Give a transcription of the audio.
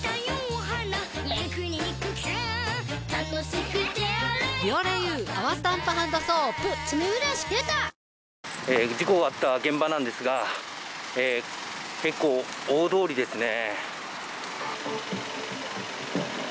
新「アタックＺＥＲＯ」事故があった現場なんですが結構、大通りですね。